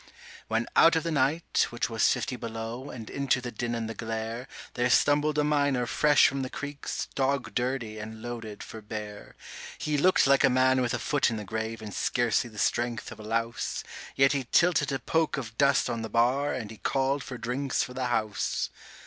When out of the night, which was fifty below, and into the din and the glare, There stumbled a miner fresh from the creeks, dog dirty, and loaded for bear. He looked like a man with a foot in the grave and scarcely the strength of a louse, Yet he tilted a poke of dust on the bar, and he called for drinks for the house.